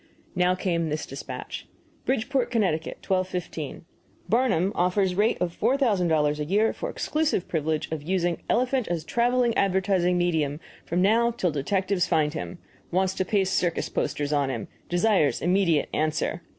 Now came this despatch: BRIDGEPORT, CT., 12.15. Barnum offers rate of $4,000 a year for exclusive privilege of using elephant as traveling advertising medium from now till detectives find him. Wants to paste circus posters on him. Desires immediate answer.